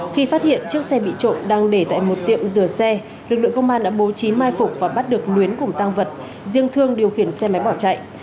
khi phát hiện chiếc xe bị trộm đang để tại một tiệm rửa xe lực lượng công an đã bố trí mai phục và bắt được luyến cùng tăng vật riêng thương điều khiển xe máy bỏ chạy